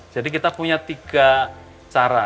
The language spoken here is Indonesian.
jadi kita punya tiga cara